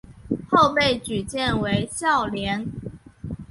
后被举荐为孝廉。